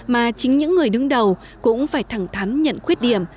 mà chính những người đứng đầu cũng phải thẳng thắn nhận khuyết điểm